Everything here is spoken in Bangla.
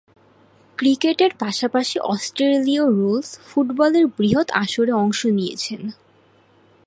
ক্রিকেটের পাশাপাশি অস্ট্রেলীয় রুলস ফুটবলের বৃহৎ আসরে অংশ নিয়েছেন।